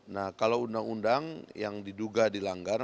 nah kalau undang undang yang diduga dilanggar